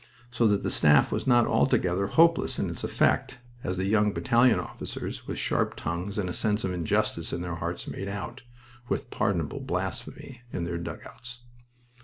So that the Staff was not altogether hopeless in its effect, as the young battalion officers, with sharp tongues and a sense of injustice in their hearts, made out, with pardonable blasphemy, in their dugouts.